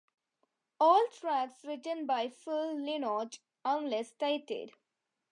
All tracks written by Phil Lynott unless stated.